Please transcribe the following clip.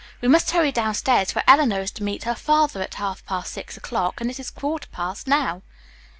We must hurry downstairs, for Eleanor is to meet her father at half past six o'clock, and it is a quarter past now."